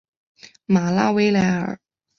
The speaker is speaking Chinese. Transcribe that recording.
马拉维莱尔。